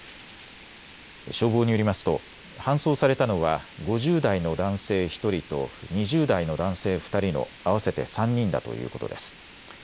消防によりますと搬送されたのは５０代の男性１人と２０代の男性２人の合わせて３人だということです。